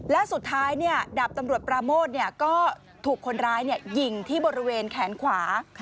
และสุดท้ายดาบตำรวจปราโมทก็ถูกคนร้ายยิงที่บริเวณแขนขวา